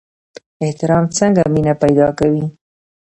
احترام څنګه مینه پیدا کوي؟